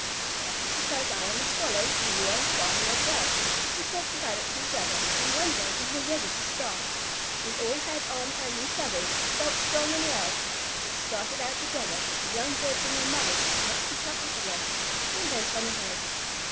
"That is because I am a Swallow and you are a farmyard Dove. We talked about it to each other, and one day we were ready to start. We all had on our new feathers and felt strong and well. We started out together, but the young birds and their mothers could not keep up with the rest, so we went on ahead."